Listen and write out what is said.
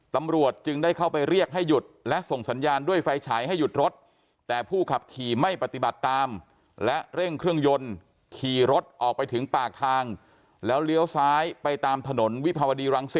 ตำรวจจึงได้เข้าไปเรียกให้หยุดและส่งสัญญาณด้วยไฟฉายให้หยุดรถแต่ผู้ขับขี่ไม่ปฏิบัติตามและเร่งเครื่องยนต์ขี่รถออกไปถึงปากทางแล้วเลี้ยวซ้ายไปตามถนนวิภาวดีรังสิต